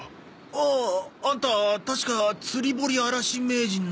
ああアンタ確か釣り堀あらし名人の。